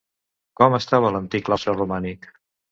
Com estava l'antic claustre romànic?